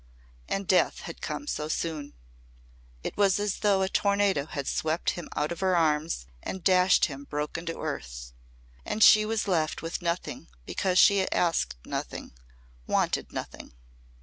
And Death had come so soon. It was as though a tornado had swept him out of her arms and dashed him broken to earth. And she was left with nothing because she asked nothing wanted nothing.